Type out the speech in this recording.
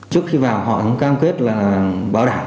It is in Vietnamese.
trước khi vào họ cũng cam kết là bảo đảm